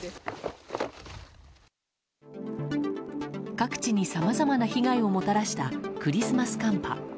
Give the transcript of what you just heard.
各地にさまざまな被害をもたらしたクリスマス寒波。